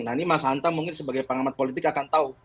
nah ini mas hanta mungkin sebagai pengamat politik akan tahu